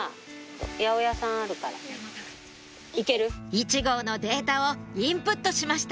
１号のデータをインプットしました